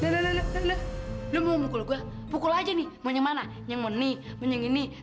rupanya kita boleh mengatakan pertanyaan ke gefamer